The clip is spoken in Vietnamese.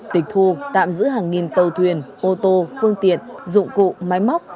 tịch thu tạm giữ hàng nghìn tàu thuyền ô tô phương tiện dụng cụ máy móc